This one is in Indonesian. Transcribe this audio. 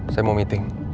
saya mau meeting